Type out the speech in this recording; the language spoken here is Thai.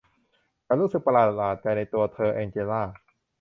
ฉันรู้สึกประหลาดใจในตัวเธอ แองเจล่า